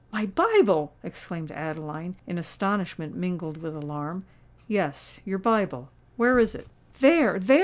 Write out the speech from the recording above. "My Bible!" exclaimed Adeline, in astonishment mingled with alarm. "Yes—your Bible. Where is it?" "There—there!"